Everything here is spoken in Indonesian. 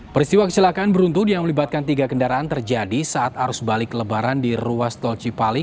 peristiwa kecelakaan beruntun yang melibatkan tiga kendaraan terjadi saat arus balik lebaran di ruas tol cipali